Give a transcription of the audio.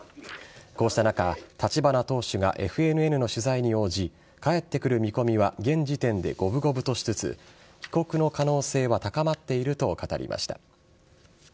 こうした中立花党首がＦＮＮの取材に応じ帰ってくる見込みは現時点で五分五分としつつ帰国の可能性は高まっていると語りました。